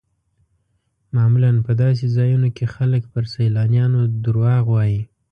معمولا په داسې ځایونو کې خلک پر سیلانیانو دروغ وایي.